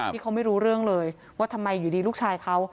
ที่เขาไม่รู้เรื่องเลยว่าทำไมอยู่ดีลูกชายเขา